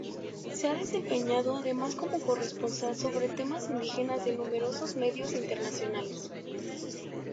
Se ha desempeñado además como corresponsal sobre temas indígenas de numerosos medios internacionales.